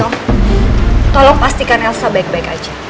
tolong pastikan elsa baik baik aja